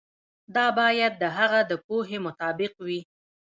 دا باید د هغه د پوهې مطابق وي.